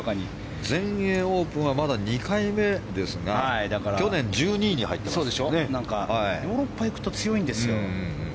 全英オープンはまだ２回目ですがヨーロッパに行くと強いんですよ。